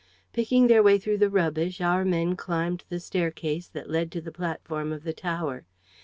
Picking their way through the rubbish, our men climbed the staircase that led to the platform of the tower.